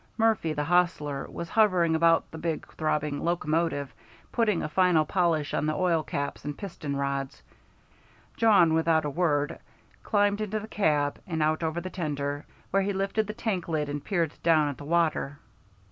Murphy, the hostler, was hovering about the big throbbing locomotive, putting a final polish on the oil cups and piston rods. Jawn, without a word, climbed into the cab, and out over the tender, where he lifted the tank lid and peered down at the water.